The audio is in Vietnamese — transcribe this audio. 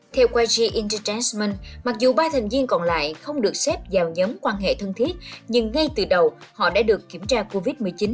theo qj interg jasmond mặc dù ba thành viên còn lại không được xếp vào nhóm quan hệ thân thiết nhưng ngay từ đầu họ đã được kiểm tra covid một mươi chín